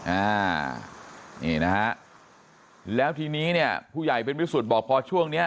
อ่านี่นะฮะแล้วทีนี้เนี่ยผู้ใหญ่เป็นวิสุทธิ์บอกพอช่วงเนี้ย